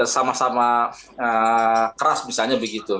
sama sama keras misalnya begitu